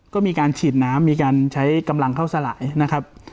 ก็มีการฉีดน้ำมีการใช้กำลังเข้าสลายนะครับ